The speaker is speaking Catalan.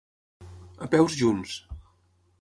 A peus junts.